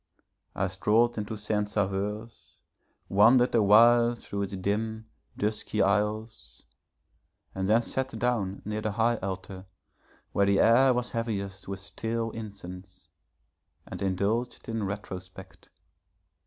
I strolled into Saint Sauveur's, wandered a while through its dim, dusky aisles, and then sat down near the high altar, where the air was heaviest with stale incense, and indulged in retrospect.